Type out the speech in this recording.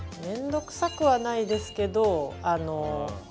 めんどくさくはないですけどあの。